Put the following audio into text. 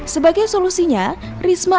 sebagai solusinya risma